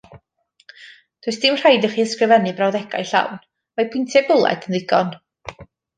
Does dim rhaid i chi ysgrifennu brawddegau llawn, mae pwyntiau bwled yn ddigon.